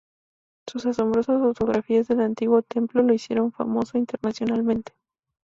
Sus asombrosas fotografías del antiguo templo lo hicieron famoso internacionalmente.